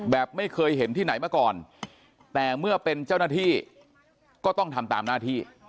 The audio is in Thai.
แบบไม่เคยเห็นที่ไหนมาก่อนแต่เมื่อเป็นเจ้าหน้าที่ก็ต้องทำตามหน้าที่